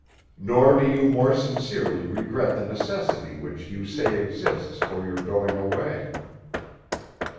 Nor do you more sincerely regret the necessity which you say exists for your going away."